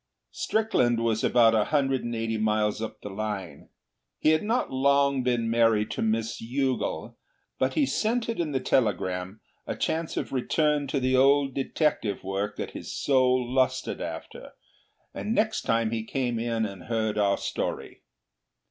Strickland was about a hundred and eighty miles up the line. He had not long been married to Miss Youghal, but he scented in the telegram a chance of return to the old detective work that his soul lusted after, and next time he came in and heard our story.